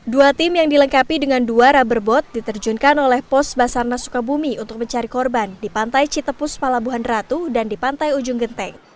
dua tim yang dilengkapi dengan dua rubber boat diterjunkan oleh pos basarnas sukabumi untuk mencari korban di pantai citepus palabuhan ratu dan di pantai ujung genteng